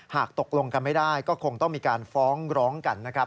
หากตกลงกันไม่ได้ก็คงต้องมีการฟ้องร้องกันนะครับ